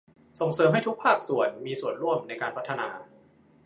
ส่งเสริมให้ทุกภาคส่วนมีส่วนร่วมในการพัฒนา